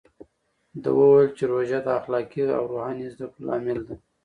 ده وویل چې روژه د اخلاقي او روحاني زده کړې لامل ده.